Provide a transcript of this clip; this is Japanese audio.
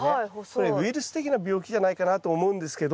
これウイルス的な病気じゃないかなと思うんですけど。